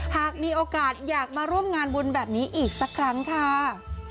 หากมีโอกาสอยากมาร่วมงานบุญแบบนี้อีกสักครั้งค่ะ